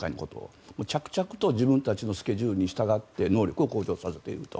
着々と自分たちのスケジュールに従って能力を向上させていると。